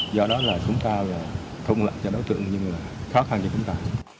do đó là chúng ta thông lợi cho đối tượng nhưng khó khăn cho chúng ta